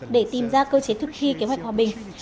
để tìm ra cơ chế thực thi kế hoạch hòa bình